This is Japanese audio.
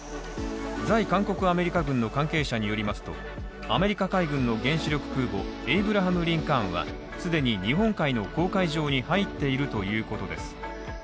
在韓国アメリカ軍の関係者によりますとアメリカ海軍の原子力空母「エイブラハム・リンカーン」は、既に日本海の公海上に入っているということです。